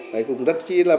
đấy cũng rất chí là